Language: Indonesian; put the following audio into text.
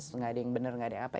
tidak ada yang benar tidak ada apa